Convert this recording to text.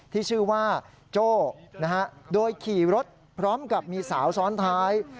ที่ชื่อว่าโจ้โดยขี่รถพร้อมกับมีสาวซ้อนท้าย